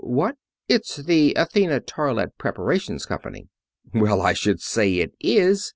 What? It's the Athena Toilette Preparations Company. Well, I should say it is!